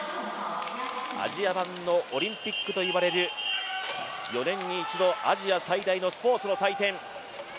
アジア版のオリンピックといわれる４年に一度アジア最大のスポーツの祭典。